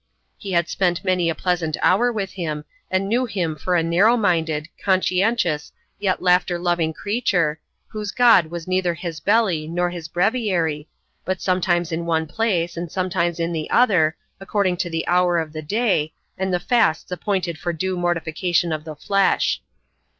He had spent many a pleasant hour with him, and knew him for a narrow minded, conscientious, yet laughter loving creature, whose God was neither his belly nor his breviary, but sometimes in one place and sometimes in the other, according to the hour of the day, and the fasts appointed for due mortification of the flesh.